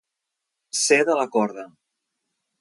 Ser de la corda.